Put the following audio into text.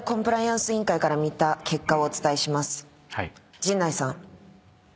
陣内さん。